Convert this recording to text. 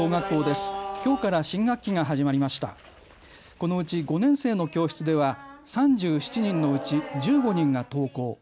このうち５年生の教室では３７人のうち１５人が登校。